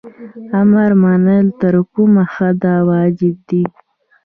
امر منل تر کومه حده واجب دي؟